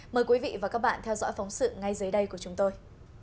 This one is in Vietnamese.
mời quý vị và các bạn theo dõi phóng sự ngay dưới đây của chúng tôi